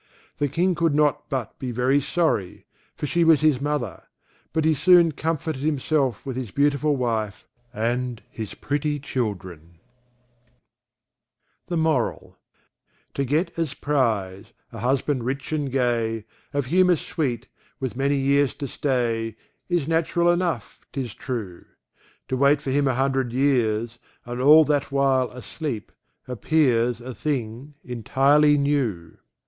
The King could not but be very sorry, for she was his mother; but he soon comforted himself with his beautiful wife, and his pretty children. The Moral _To get as prize a husband rich and gay. Of humour sweet, with many years to stay, Is natural enough, 'tis true; To wait for him a hundred years, And all that while asleep, appears A thing entirely new.